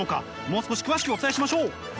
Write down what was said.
もう少し詳しくお伝えしましょう。